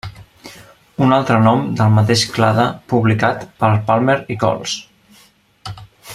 Un altre nom del mateix clade publicat per Palmer i cols.